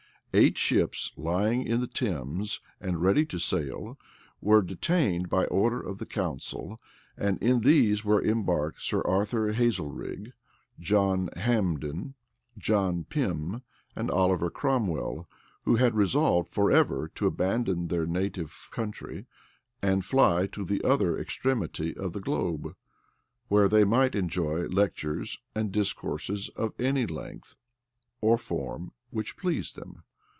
[*] Eight ships, lying in the Thames, and ready to sail, were detained by order of the council; and in these were embarked Sir Arthur Hazelrig, John Hambden, John Pym, and Oliver Cromwell,[] who had resolved forever to abandon their native country, and fly to the other extremity of the globe; where they might enjoy lectures and discourses of any length or form which pleased them.